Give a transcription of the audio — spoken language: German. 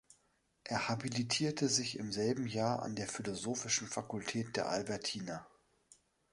Er habilitierte sich im selben Jahr an der Philosophischen Fakultät der Albertina.